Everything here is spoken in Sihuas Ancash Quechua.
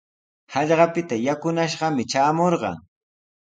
Hallqapita yakunashqami traamurqan.